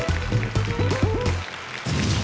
สวัสดีค่ะ